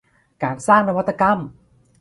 การสร้างนวัตกรรม